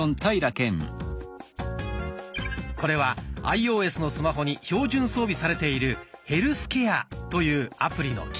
これはアイオーエスのスマホに標準装備されている「ヘルスケア」というアプリの機能です。